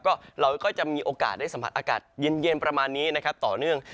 ก็เราก็จะมีโอกาสได้สัมผัสอากาศเย็นประมาณนี้นะครับต่อเนื่อง